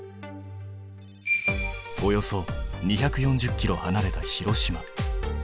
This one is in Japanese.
およそ２４０ｋｍはなれた広島。